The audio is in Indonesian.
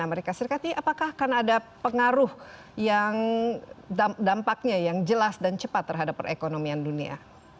apakah akan ada pengaruh yang dampaknya yang jelas dan cepat terhadap perekonomian dunia